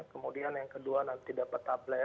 kemudian yang kedua nanti dapat tablet